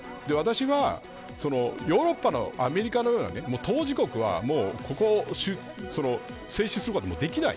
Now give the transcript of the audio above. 私は、ヨーロッパやアメリカのような当事国はここを制止することはできない。